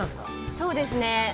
◆そうですね。